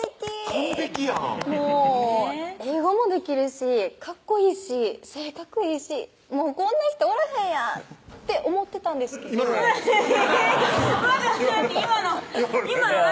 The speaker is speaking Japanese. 完璧やん英語もできるしかっこいいし性格いいしもうこんな人おらへんやんって思ってたんですけど今の何？